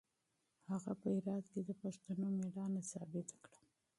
هغه په هرات کې د پښتنو مېړانه ثابته کړه.